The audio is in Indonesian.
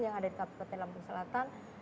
yang ada di kabupaten lampung selatan